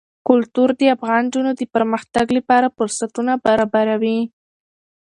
کلتور د افغان نجونو د پرمختګ لپاره فرصتونه برابروي.